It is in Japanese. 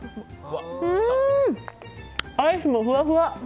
アイスもふわふわ。